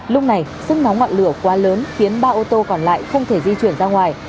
lúc này sức nóng ngọn lửa quá lớn khiến ba ô tô còn lại không thể di chuyển ra ngoài